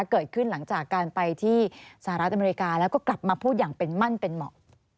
เกิดขึ้นหลังจากการไปที่สหรัฐอเมริกาแล้วก็กลับมาพูดอย่างเป็นมั่นเป็นเหมาะ